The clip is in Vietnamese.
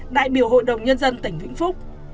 đại biểu hội đồng nhân dân tỉnh vĩnh phúc